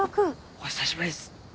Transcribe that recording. お久しぶりっす。